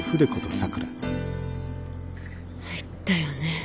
入ったよね。